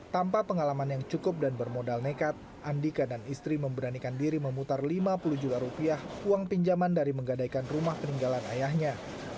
tanpa pengalaman yang cukup dan bermodal nekat andika dan istri memberanikan diri memutar lima puluh juta rupiah uang pinjaman dari menggadaikan rumah peninggalan ayahnya